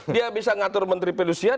dia yang bisa ngatur menteri pelusia